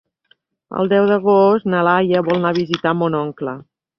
El deu d'agost na Laia vol anar a visitar mon oncle.